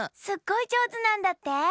すっごいじょうずなんだって？